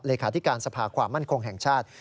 เลขาธิการสภาความมั่นคงแห่งชาติ